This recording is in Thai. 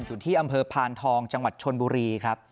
อยู่ที่อำเภอพานทองจังหวัดชนบุรีครับ